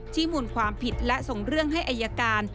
มูลความผิดและส่งเรื่องให้อายการ